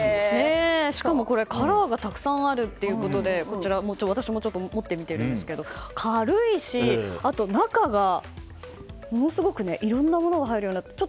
しかもカラーがたくさんあるということで私も持ってみたんですが、軽いしあと中が、いろんなものが入るようになっていて。